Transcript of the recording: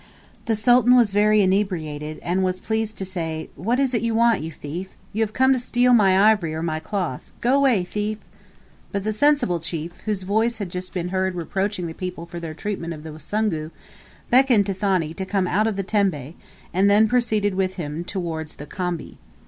The Sultan was very much inebriated, and was pleased to say, "What is it you want, you thief? You have come to steal my ivory or my cloth. Go away, thief!" But the sensible chief, whose voice had just been heard reproaching the people for their treatment of the Wasungu, beckoned to Thani to come out of the tembe, and then proceeded with him towards the khambi.